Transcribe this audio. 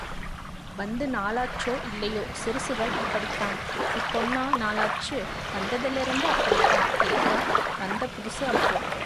வந்து நாளாச்சோ இல்லையோ சிறிசுகள் அப்படித்தான். இப்பொன்னா நாளாச்சு வந்ததிலேருந்து அப்படித்தான் இருக்கா வந்த புதிசு அப்போ.